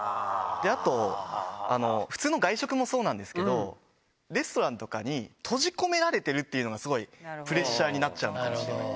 あと、普通の外食もそうなんですけど、レストランとかに閉じ込められてるっていうのがすごい、プレッシャーになっちゃうのかもしれなくて。